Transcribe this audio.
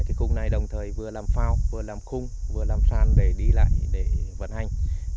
cái khung này đồng thời vừa làm phao vừa làm khung vừa làm sàn để đi lại để vận hành